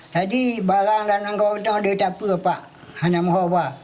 jadi pasangan ini ada di mana mana